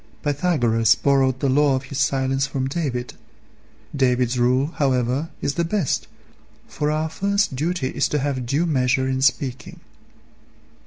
Pythagoras borrowed the law of his silence from David. David's rule, however, is the best, for our first duty is to have due measure in speaking.